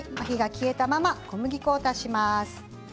火が消えたまま小麦粉を足します。